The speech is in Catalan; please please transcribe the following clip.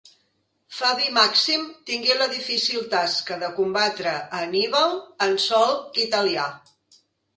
Fabi Màxim tingué la difícil tasca de combatre a Anníbal en sòl italià.